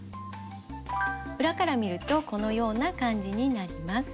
裏から見るとこのような感じになります。